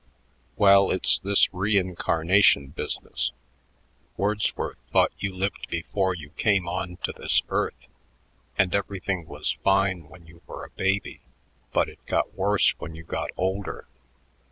"Well, it's this reincarnation business. Wordsworth thought you lived before you came on to this earth, and everything was fine when you were a baby but it got worse when you got older.